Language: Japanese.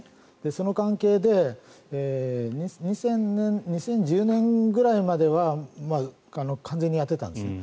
その関係で２０１０年ぐらいまでは完全にやっていたんですね。